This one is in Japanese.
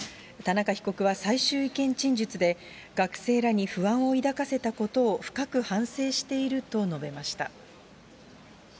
田中被告は最終意見陳述で、学生らに不安を抱かせたことを深く反省していると述べました。